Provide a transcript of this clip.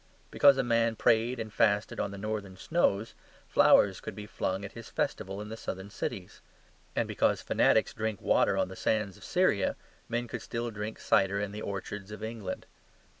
Because a man prayed and fasted on the Northern snows, flowers could be flung at his festival in the Southern cities; and because fanatics drank water on the sands of Syria, men could still drink cider in the orchards of England.